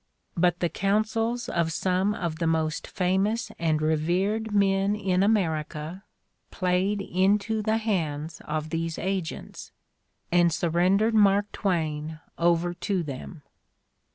But the counsels of some of the most famous and revered men in America played into the hands of these agents, and surrendered Mark Twain over to them.